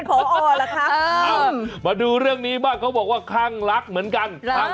เออมาดูเรื่องนี้บ้างเขาบอกว่าข้างลักเหมือนกัน